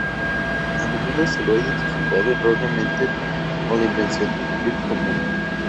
A menudo se lo ha identificado erróneamente con la invención del clip común.